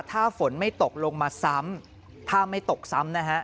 ถ้าฝนไม่ตกลงมาซ้ำถ้าไม่ตกซ้ำนะฮะ